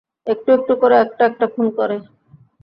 একটু একটু করে, একটা একটা খুন করে।